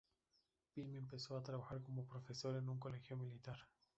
Bem empezó a trabajar como profesor en un colegio militar.